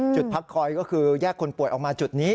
พักคอยก็คือแยกคนป่วยออกมาจุดนี้